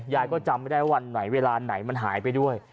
ยายก็จำไม่ได้วันไหนเวลาไหนมันหายไปด้วย